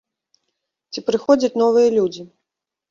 Ці прыходзяць новыя людзі?